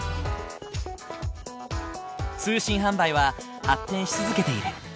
通信販売は発展し続けている。